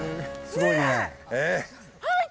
すごい！